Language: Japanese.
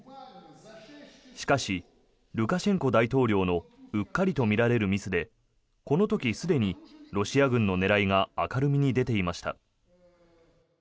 しかし、ルカシェンコ大統領のうっかりとみられるミスでこの時すでに、ロシア軍の狙いが明るみに出ていました。